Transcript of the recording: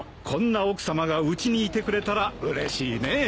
こんな奥さまがうちにいてくれたらうれしいね。